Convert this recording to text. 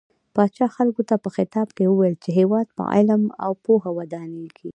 پاچا خلکو ته په خطاب کې وويل چې هيواد په علم او پوهه ودانيږي .